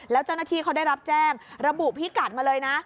แล้วเจ้าหน้าที่เขาได้รับแจ้งระบุพิกัดมาเลยนะ